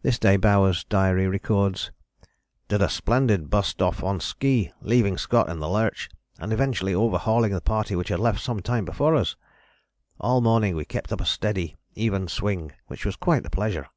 This day Bowers' diary records, "Did a splendid bust off on ski, leaving Scott in the lurch, and eventually overhauling the party which had left some time before us. All the morning we kept up a steady, even swing which was quite a pleasure."